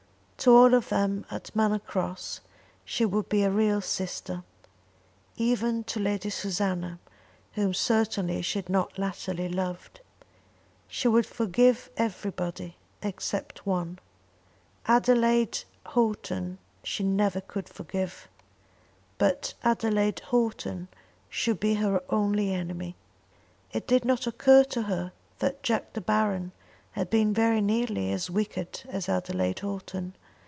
To all of them at Manor Cross she would be a real sister, even to Lady Susanna whom certainly she had not latterly loved. She would forgive everybody, except one. Adelaide Houghton she never could forgive, but Adelaide Houghton should be her only enemy. It did not occur to her that Jack De Baron had been very nearly as wicked as Adelaide Houghton.